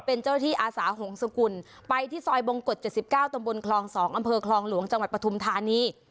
เป็นเจ้าหน้าที่อาสาหงษกุลไปที่ซอยบงกฎ๗๙ตำบลคลอง๒อำเภอคลองหลวงจังหวัดปฐุมธานี